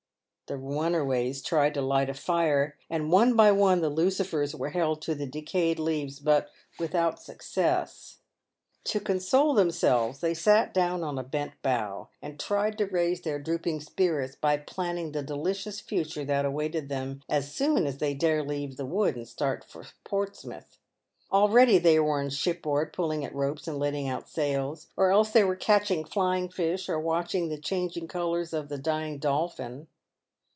The runaways tried to light a fire, and one by one the lucifera were held to the decayed leaves, but without success. To console themselves, they sat down on a bent bough, and tried to raise their drooping spirits by planning the delicious future that awaited them as soon as they dare leave the wood and start for Portsmouth. Al ready they were on shipboard, pulling at ropes and letting out sails ; or else they were catching flying fish, or watching the changing colours of the dying dolphin.